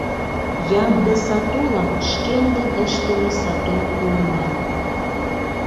Ямде сатулан шкендын ыштыме сатум пуыман.